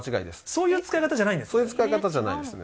そういう使い方じゃないんでそういう使い方じゃないです